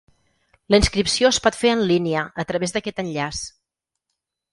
La inscripció es pot fer en línia a través d’aquest enllaç.